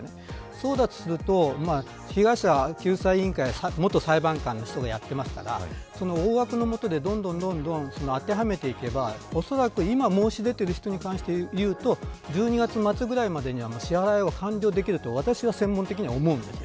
そうだとすると被害者救済委員会は元裁判官の人がやってますからその大枠のもとでどんどん当てはめていけば今、申し出ている人に関して言うと１２月末ぐらいまでには支払いが完了できると私は、専門的には思うんです。